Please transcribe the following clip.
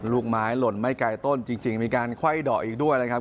ลูกไม้หล่นไม่ไกลต้นจริงมีการไขว้ดอกอีกด้วยนะครับ